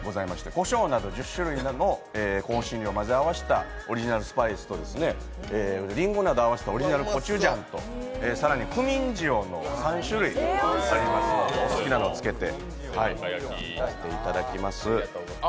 こしょうなど１０種類などの香辛料を混ぜ合わせたオリジナルスパイスとりんごなどを合わせたオリジナルコチュジャンと更にクミン塩の３種類ありますのでお好きなのをつけていただきます。